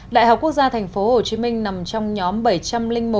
đại học quốc gia tp hcm nằm trong nhóm